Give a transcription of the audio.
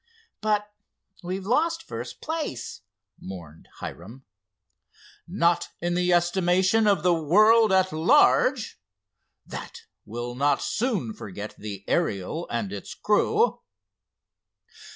"But we've lost first place!" mourned Hiram. "Not in the estimation of the world at large. That will not soon forget the Ariel and its crew."